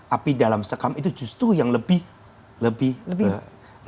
api dalam sekam itu justru yang lebih lebih